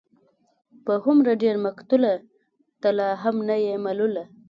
په هومره ډېر مقتوله، ته لا هم نه يې ملوله